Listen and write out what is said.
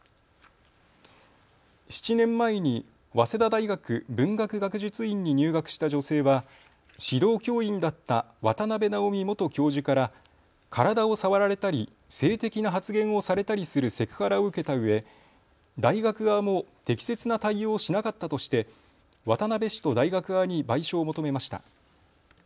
７年前に早稲田大学文学学術院に入学した女性は指導教員だった渡部直己元教授から体を触られたり性的な発言をされたりするセクハラを受けたうえ大学側も適切な対応しなかったとして渡部氏と大学側に賠償を求めました。